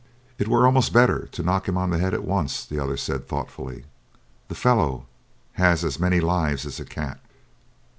"It were almost better to knock him on head at once," the other said thoughtfully; "the fellow has as many lives as a cat.